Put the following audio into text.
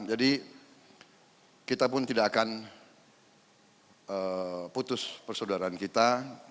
jadi kita pun tidak akan putus persaudaraan kita